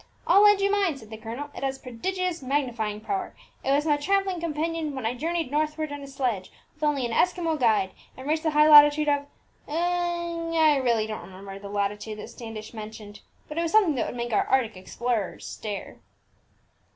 'I'll lend you mine,' said the colonel; 'it has prodigious magnifying power. It was my travelling companion when I journeyed northward, in a sledge, with only an Eskimo guide, and reached the high latitude of' I really don't remember the latitude that Standish mentioned, but it was something that would make our Arctic explorers stare."